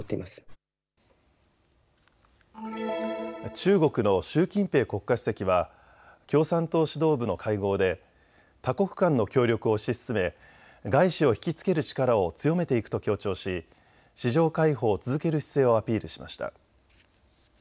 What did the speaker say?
中国の習近平国家主席は共産党指導部の会合で多国間の協力を推し進め外資を引きつける力を強めていくと強調し市場開放を続ける姿勢をアピールしました。